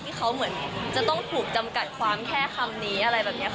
ที่เขาเหมือนจะต้องถูกจำกัดความแค่คำนี้อะไรแบบนี้ค่ะ